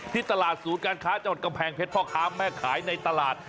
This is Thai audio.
ที่ตลาดศูนย์การค้าจังหวัดกำแพงเพชรพ่อค้าแม่ขายในตลาด